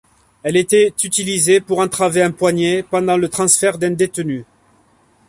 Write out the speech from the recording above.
Elle était utilisée pour entraver un poignet, pendant le transfert d'un détenu.